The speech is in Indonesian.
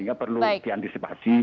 sehingga perlu diantisipasi